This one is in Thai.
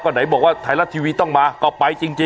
ก็ไหนบอกว่าไทยรัฐทีวีต้องมาก็ไปจริง